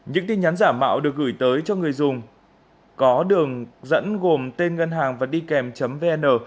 những tin nhắn giả mạo được gửi tới cho người dùng có đường dẫn gồm tên ngân hàng và đi kèm vn